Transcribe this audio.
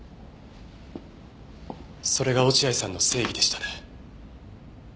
それが落合さんの正義でしたね。